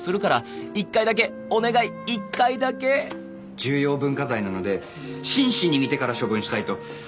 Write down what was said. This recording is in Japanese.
「重要文化財なので真摯に見てから処分したい」と。